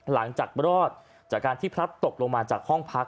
หลังจากรอดจากการที่พลัดตกลงมาจากห้องพัก